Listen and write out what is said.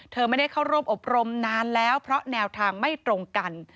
เธอไม่ได้เข้าร่วมอบรมนานแล้วเพราะแนวทางไม่ตรงกัน